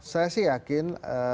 saya sih yakin